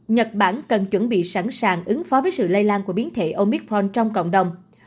nhật bản cần chuẩn bị sẵn sàng ứng phó với sự lây lan của biến thể omicron trong cộng đồng